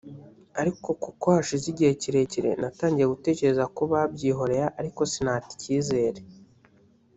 ariko kuko hashize igihe kire kire natangiye gutekereza ko babyihoreye ariko sinata icyizere